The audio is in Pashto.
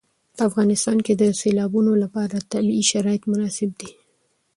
په افغانستان کې د سیلابونه لپاره طبیعي شرایط مناسب دي.